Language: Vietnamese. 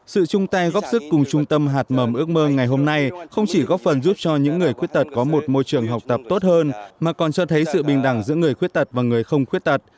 sự chung tay góp sức cùng trung tâm hạt mầm ước mơ ngày hôm nay không chỉ góp phần giúp cho những người khuyết tật có một môi trường học tập tốt hơn mà còn cho thấy sự bình đẳng giữa người khuyết tật và người không khuyết tật